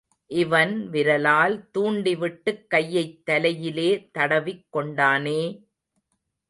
இவன் விரலால் தூண்டிவிட்டுக் கையைத் தலையிலே தடவிக்கொண்டானே!